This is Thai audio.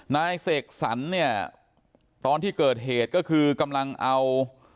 นายเสกสรรเนี่ยตอนที่เกิดเหตุก็คือกำลังเอา